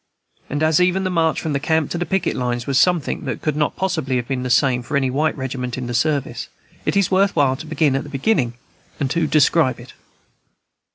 And as even the march from the camp to the picket lines was something that could not possibly have been the same for any white regiment in the service, it is worth while to begin at the beginning and describe it.